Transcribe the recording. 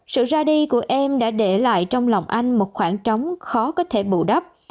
sự ra đi của em đã để lại trong lòng anh một khoảng trống khó có thể bù đắp